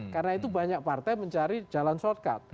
karena itu banyak partai mencari jalan shortcut